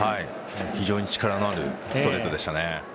非常に力のあるストレートでしたね。